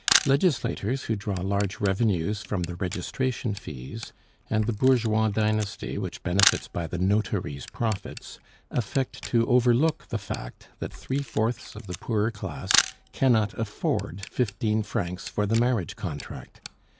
Legislators, who draw large revenues from the registration fees, and the Bourgeois dynasty, which benefits by the notary's profits, affect to overlook the fact that three fourths of the poorer class cannot afford fifteen francs for the marriage contract.